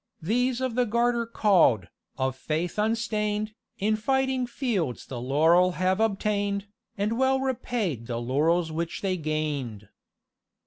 These of the Garter call'd, of faith unstain'd, In fighting fields the laurel have obtain'd, And well repaid the laurels which they gained."